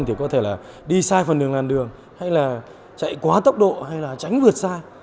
thì có thể là đi sai phần đường làn đường hay là chạy quá tốc độ hay là tránh vượt sai